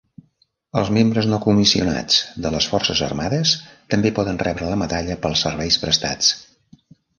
Els membres no comissionats de les forces armades també poden rebre la medalla pels serveis prestats.